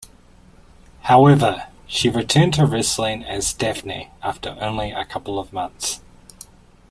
However, she returned to wrestling as Daffney after only a couple of months.